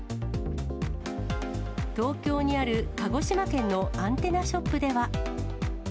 東京にある鹿児島県のアンテナショップでは。